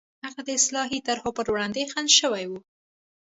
هغه د اصلاحي طرحو پر وړاندې خنډ شوي وو.